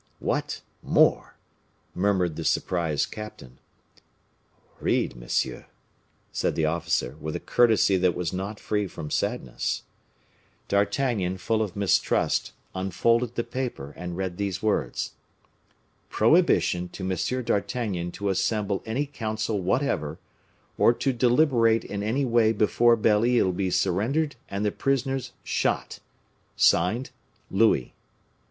"What, more!" murmured the surprised captain. "Read, monsieur," said the officer, with a courtesy that was not free from sadness. D'Artagnan, full of mistrust, unfolded the paper, and read these words: "Prohibition to M. d'Artagnan to assemble any council whatever, or to deliberate in any way before Belle Isle be surrendered and the prisoners shot. Signed LOUIS."